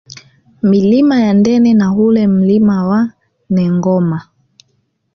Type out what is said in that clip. Milima ya Ndene na ule Mlima wa Nengoma